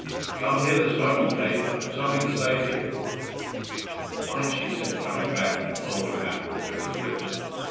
"Come here this moment, Kate. I have something to say to you." "Bite!" she said, coming back and holding an apple to his lips.